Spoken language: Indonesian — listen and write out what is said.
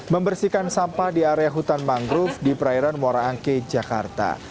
membersihkan sampah di area hutan mangrove di perairan moraangke jakarta